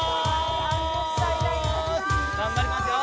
頑張りますよ。